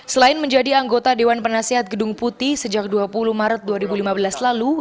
selain menjadi anggota dewan penasihat gedung putih sejak dua puluh maret dua ribu lima belas lalu